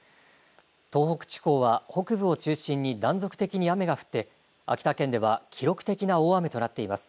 東北地方は北部を中心に断続的に雨が降って秋田県では記録的な大雨となっています。